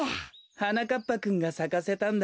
はなかっぱくんがさかせたんだ。